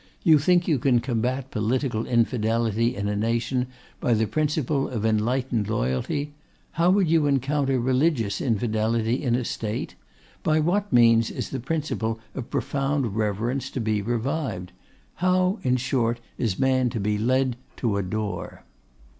You think you can combat political infidelity in a nation by the principle of enlightened loyalty; how would you encounter religious infidelity in a state? By what means is the principle of profound reverence to be revived? How, in short, is man to be led to adore?